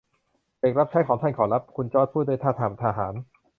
เด็กรับใช้ของท่านขอรับ คุณจอร์จพูดด้วยท่าทางแบบทหาร